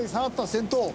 先頭。